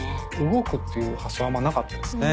動くっていう発想あんまなかったですね。